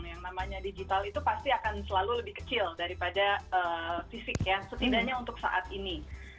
yang namanya digital itu pasti akan selalu lebih kecil daripada fisik ya setidaknya untuk saat ini